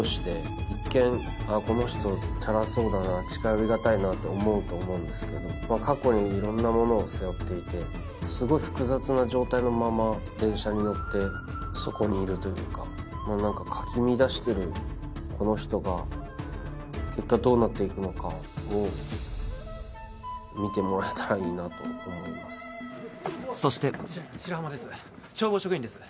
この人チャラそうだな近寄りがたいなって思うと思うんですけど過去にいろんなものを背負っていてすごい複雑な状態のまま電車に乗ってそこにいるというかなんかかき乱してるこの人が結果どうなっていくのかを見てもらえたらいいなと思いますそして消防職員です